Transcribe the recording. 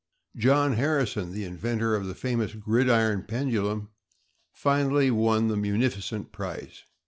John Harrison, the inventor of the famous gridiron pendulum, finally won the munificent prize.